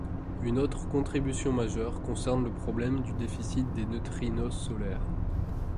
Une autre contribution majeure concerne le problème du déficit des neutrinos solaires.